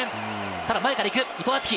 ただ前から行く伊藤敦樹。